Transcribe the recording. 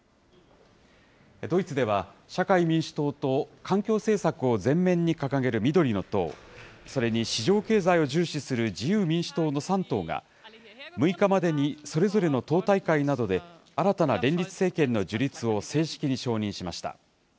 ドイツでは、社会民主党と環境政策を前面に掲げる緑の党、それに市場経済を重視する自由民主党の３党が、６日までにそれぞれの党大会などで、新たな連立政権の樹立を正式に承認しました。